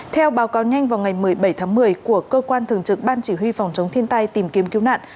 theo báo cáo nhanh vào ngày một mươi bảy tháng một mươi của cơ quan thường trực ban chỉ huy phòng chống thiên tai tìm kiếm cứu nạn